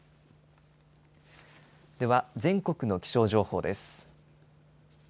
では、全国の気象情報です。